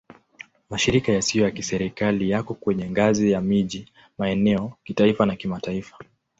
Mashirika yasiyo ya Kiserikali yako kwenye ngazi ya miji, maeneo, kitaifa na kimataifa.